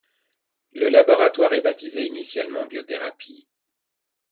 Le laboratoire est baptisé initialement Biothérapie.